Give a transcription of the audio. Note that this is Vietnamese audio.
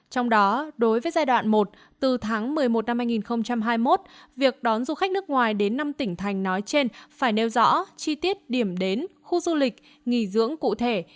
trong đó đối với giai đoạn một từ tháng một mươi một năm hai nghìn hai mươi một việc đón du khách nước ngoài đến năm tỉnh thành nói trên phải nêu rõ chi tiết điểm đến khu du lịch nghỉ dưỡng cụ thể